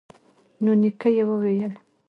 نو نیکه یې وویل